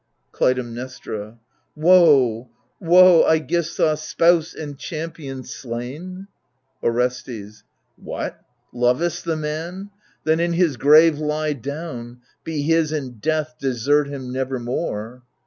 Clytemnestra Woe, woe I iCgisthus, spouse and champion, slain ! Orestes What, lov'st the man ? then in his grave lie down. Be his in death, desert him nevermore